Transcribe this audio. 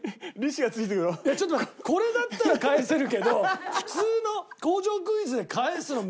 いやちょっとこれだったら返せるけど普通の工場クイズで返すの難しいじゃん。